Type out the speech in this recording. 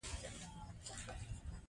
ملالۍ به د شپې پته ښووله.